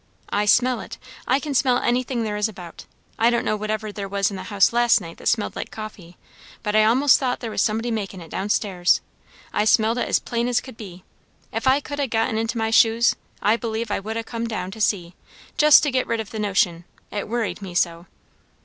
"I smell it. I can smell anything there is about. I don't know whatever there was in the house last night that smelled like coffee; but I a'most thought there was somebody makin' it down stairs. I smelled it as plain as could be. If I could ha' got into my shoes, I believe I would ha' come down to see, just to get rid of the notion, it worried me so.